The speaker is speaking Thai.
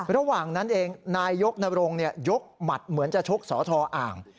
ระหว่างนั้นเองนายกนบรงเนี่ยยกหมัดเหมือนจะชกสธอ่าง